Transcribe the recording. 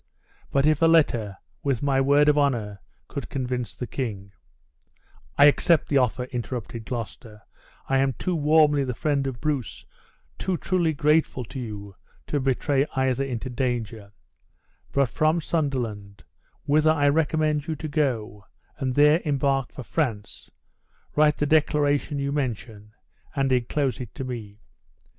But if a letter, with my word of honor, could convince the king " "I accept the offer," interrupted Gloucester, "I am too warmly the friend of Bruce too truly grateful to you to betray either into danger; but from Sunderland, whither I recommend you to go, and there embark for France, write the declaration you mention, and inclose it to me.